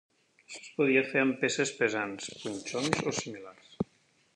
Això es podia fer amb peces pesants, punxons o similars.